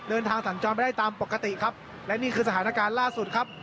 สัญจรไปได้ตามปกติครับและนี่คือสถานการณ์ล่าสุดครับ